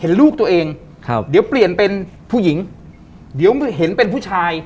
ลูกตัวเองครับเดี๋ยวเปลี่ยนเป็นผู้หญิงเดี๋ยวเห็นเป็นผู้ชาย